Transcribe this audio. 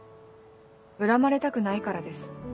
恨まれたくないからです。